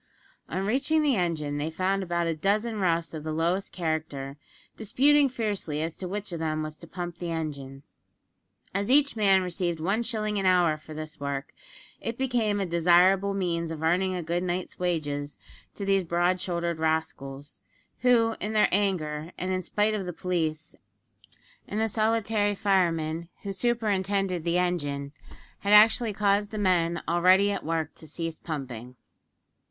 On reaching the engine, they found about a dozen roughs of the lowest character, disputing fiercely as to which of them was to pump the engine! As each man received one shilling an hour for this work, it became a desirable means of earning a good night's wages to these broad shouldered rascals; who, in their anger, and in spite of the police, and the solitary fireman who superintended the engine, had actually caused the men already at work to cease pumping.